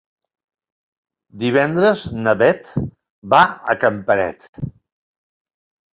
Divendres na Beth va a Campanet.